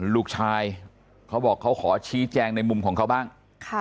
ลูกชายเขาบอกเขาขอชี้แจงในมุมของเขาบ้าง